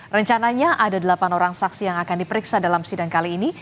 rencananya ada delapan orang saksi yang akan diperiksa dalam sidang kali ini